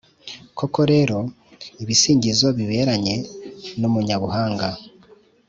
Koko rero, ibisingizo biberanye n’umunyabuhanga,